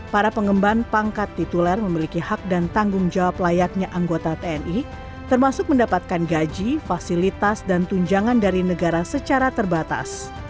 para pengemban pangkat tituler memiliki hak dan tanggung jawab layaknya anggota tni termasuk mendapatkan gaji fasilitas dan tunjangan dari negara secara terbatas